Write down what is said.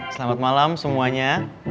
selamat malam semuanya